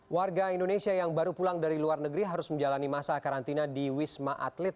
warga indonesia yang baru pulang dari luar negeri harus menjalani masa karantina di wisma atlet